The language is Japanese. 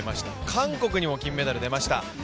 韓国にも銀メダル出ました。